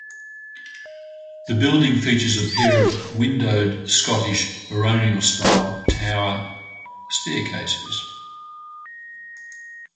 The building features a pair of windowed Scottish baronial style tower staircases.